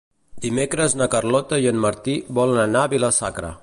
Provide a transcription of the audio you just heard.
Dimecres na Carlota i en Martí volen anar a Vila-sacra.